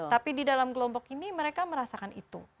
tapi di dalam kelompok ini mereka merasakan itu